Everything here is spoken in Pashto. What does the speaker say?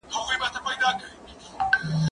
زه هره ورځ د ښوونځی لپاره تياری کوم!؟